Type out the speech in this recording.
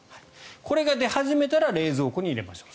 これが出始めたら冷蔵庫に入れましょう。